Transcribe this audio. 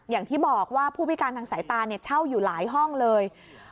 อย่างที่บอกว่าผู้พิการทางสายตาเช่าอยู่หลายห้องเลย